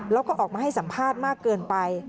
แล้วก็ออกมาให้สัมภาษณ์มากเกินไป